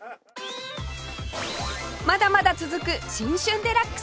まだまだ続く『新春デラックス』